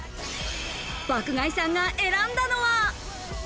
爆買いさんが選んだのは？